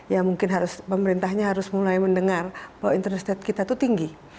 ya mungkin pemerintahnya harus mulai mendengar bahwa interest rate kita itu tinggi